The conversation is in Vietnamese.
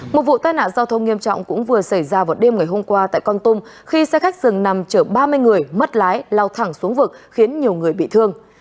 một vụ tai nạn giao thông nghiêm trọng cũng vừa xảy ra vào đêm ngày hôm qua tại con tum khi xe khách dừng nằm chở ba mươi người mất lái lao thẳng xuống vực khiến nhiều người bị thương